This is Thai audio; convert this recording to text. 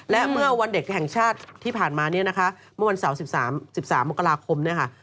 และเมื่อวันเด็กแห่งชาติที่ผ่านมาเนี่ยนะคะเมื่อวันเสาร์๑๓๑๓มกราคมเนี่ยค่ะ